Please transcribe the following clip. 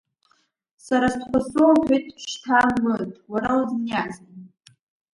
Сара стәқәа соуҳәеит, шьҭа, Мыд, уара узыниазеи?